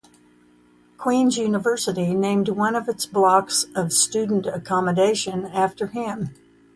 Queen's University named one of its blocks of student accommodation after him.